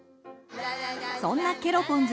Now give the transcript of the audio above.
そんなケロポンズ